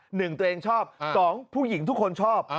หนึ่งตัวเองชอบสองผู้หญิงทุกคนชอบ